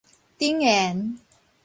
頂沿